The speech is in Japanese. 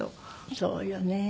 そうよね。